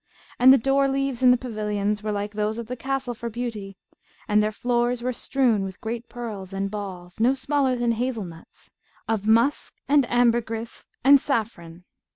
And the door leaves in the pavilions were like those of the castle for beauty; and their floors were strewn with great pearls and balls, no smaller than hazel nuts, of musk and ambergris and saffron.